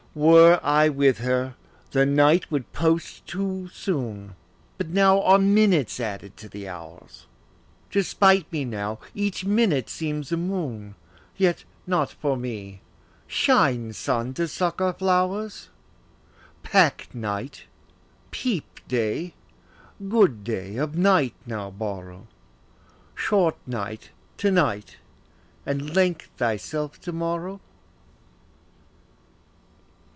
Were I with her, the night would post too soon; But now are minutes added to the hours; To spite me now, each minute seems a moon; Yet not for me, shine sun to succour flowers! Pack night, peep day; good day, of night now borrow: Short, night, to night, and length thyself to morrow.